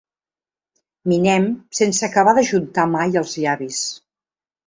Minem sense acabar d'ajuntar mai els llavis.